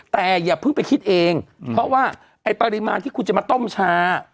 แต่อย่าเพิ่งไปคิดเองเพราะว่าไอ้ปริมาณที่คุณจะมาต้มชา